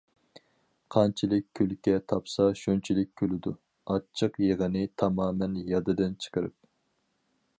قانچىلىك كۈلكە تاپسا شۇنچىلىك كۈلىدۇ، ئاچچىق يىغىنى تامامەن يادىدىن چىقىرىپ.